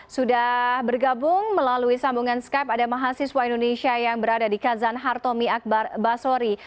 sudah bergabung melalui sambungan skype ada mahasiswa indonesia yang berada di kazan hartomi akbar basori